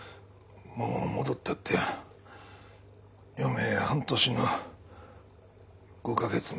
もう戻ったって余命半年の５か月目だ。